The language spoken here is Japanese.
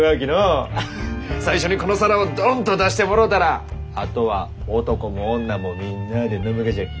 最初にこの皿をドンと出してもろうたらあとは男も女もみんなあで飲むがじゃき。